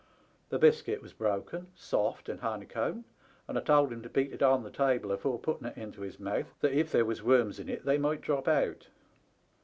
The biscuit was broken, soft, and honeycombed, and I told him to beat it on the table afore putting it into his mouth, that if there was worms in it they might drop out.